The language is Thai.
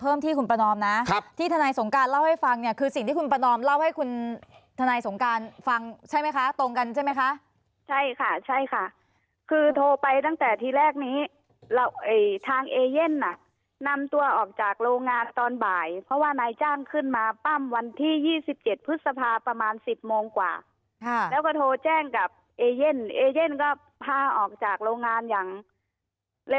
ที่คุณประนอมนะครับที่ทนายสงการเล่าให้ฟังเนี่ยคือสิ่งที่คุณประนอมเล่าให้คุณทนายสงการฟังใช่ไหมคะตรงกันใช่ไหมคะใช่ค่ะใช่ค่ะคือโทรไปตั้งแต่ทีแรกนี้ทางเอเย่นอ่ะนำตัวออกจากโรงงานตอนบ่ายเพราะว่านายจ้างขึ้นมาปั้มวันที่๒๗พฤษภาประมาณสิบโมงกว่าแล้วก็โทรแจ้งกับเอเย่นเอเย่นก็พาออกจากโรงงานอย่าง